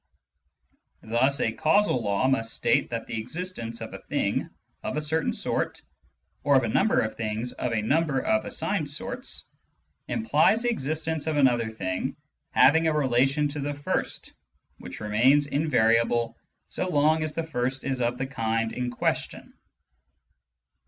Thus a causal law must state that the existence of a thing of a certain sort (or of a number of things of a number of assigned sorts) implies the exist ence of another thing having a relation to the first which remains invariable so long as the first is of the kind in question.